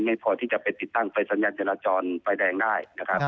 ไม่พอที่จะไปสัญญาณไฟแดงได้